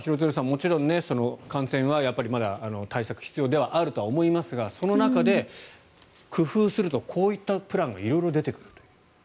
もちろん感染はやっぱりまだ対策は必要であると思いますがその中で工夫するとこういったプランが色々出てくるという。